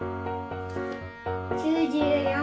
９４。